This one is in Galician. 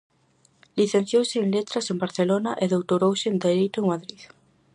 Licenciouse en Letras en Barcelona e doutorouse en Dereito en Madrid.